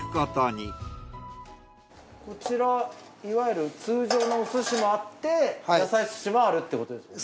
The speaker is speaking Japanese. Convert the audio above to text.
こちらいわゆる通常のお寿司もあって野菜寿司もあるってことですよね。